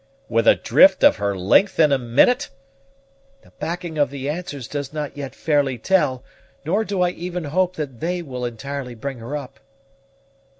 "With a drift of her length in a minute?" "The backing of the anchors does not yet fairly tell, nor do I even hope that they will entirely bring her up."